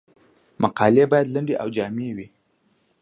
مقالې باید لنډې او جامع وي.